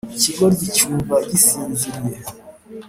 Ikigoryi cyumva gisinziriye